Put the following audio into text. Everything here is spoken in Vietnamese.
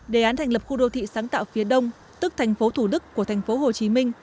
đề án thành lập khu đô thị sáng tạo phía đông tức thành phố thủ đức của thành phố hồ chí minh